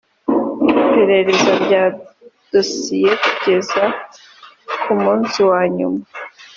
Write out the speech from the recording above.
iperereza rya dosiye kugeza ku munsi wa nyuma